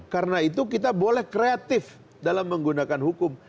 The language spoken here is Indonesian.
karena itu kita boleh kreatif dalam menggunakan hukum